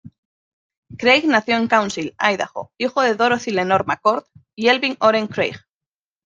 Craig nació en Council, Idaho, hijo de Dorothy Lenore McCord y Elvin Oren Craig.